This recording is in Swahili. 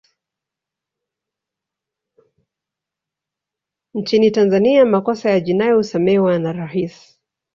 nchini tanzania makosa ya jinai husamehewa na rais